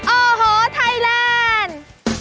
โอ้โหไทยแลนด์